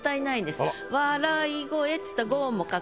「笑い声」っつったら。